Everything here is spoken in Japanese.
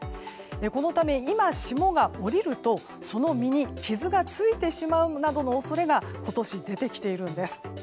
このため、今、霜が降りるとその実に傷がついてしまうなどの恐れが今年出てきているんです。